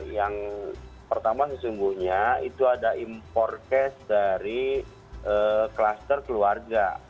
yang pertama sesungguhnya itu ada impor cash dari kluster keluarga